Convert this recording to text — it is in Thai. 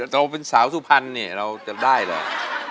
แต่ว่าเป็นสาวสุภัณฑ์เนี่ยเราจะได้เลย